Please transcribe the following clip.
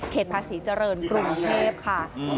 ภาษีเจริญกรุงเทพค่ะ